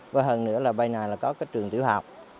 và hơn nữa là bên này là có cái trường tiểu học